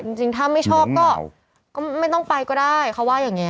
จริงถ้าไม่ชอบก็ไม่ต้องไปก็ได้เขาว่าอย่างนี้